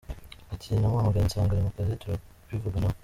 Ati “Namuhamagaye nsanga ari mu kazi, turabivuganaho.